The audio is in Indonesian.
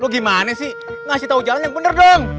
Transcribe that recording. lo gimana sih ngasih tahu jalan yang bener dong